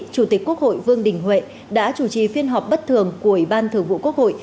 chủ tịch quốc hội vương đình huệ đã chủ trì phiên họp bất thường của ủy ban thường vụ quốc hội